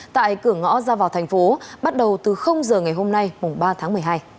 tại cửa ngõ ra vào thành phố bắt đầu từ giờ ngày hôm nay mùng ba tháng một mươi hai